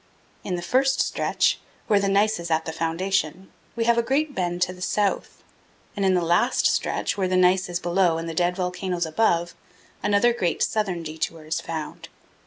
In the first stretch, where the gneiss is at the foundation, we have a great bend to the south, and in the last stretch, where the gneiss is below and the dead volcanoes above, another great southern detour is found.